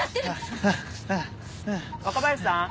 若林さん